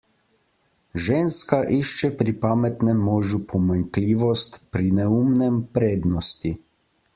Ženska išče pri pametnem možu pomanjkljivost, pri neumnem prednosti.